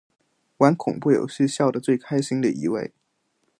玩恐怖游戏笑得最开心的一位